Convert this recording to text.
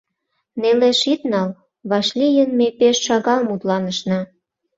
Нелеш ит нал: вашлийын, ме пеш шагал мутланышна.